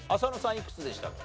いくつでしたっけ？